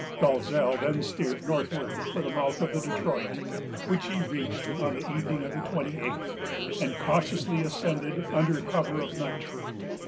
Dalzell then steered northward for the mouth of the Detroit, which he reached on the evening of the twenty eighth, and cautiously ascended under cover of night.